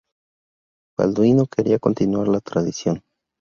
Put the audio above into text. Balduino quería continuar la tradición.